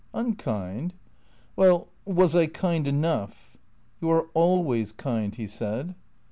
" "Unkind?" " Well, was I kind enough ?"" You are always kind," he said.